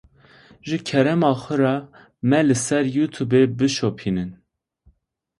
Ji kerema xwe re me li ser youtubeê bişopînin.